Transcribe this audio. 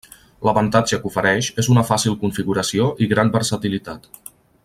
L'avantatge que ofereix és una fàcil configuració i gran versatilitat.